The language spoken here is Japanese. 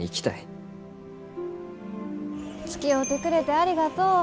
つきおうてくれてありがとう。